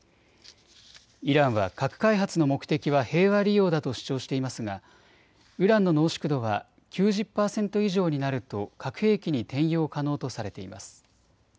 イランは核開発の目的は平和利用だと主張していますがウランの濃縮度は９０％以上になると核兵器に転用可能とされています。